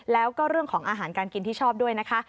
แล้วก็เรื่องของอาหารการกินที่ชอบด้วยนะคะ